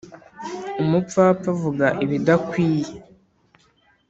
Umupfapfa avuga ibidakwiye.